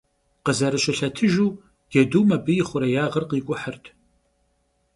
Khızerışılhetıjju, cedum abı yi xhurêyağır khik'uhırt.